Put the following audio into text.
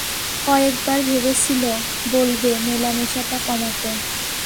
কয়েক বার ভেবেছিল বলবে মেলামেশাটা কমাতে।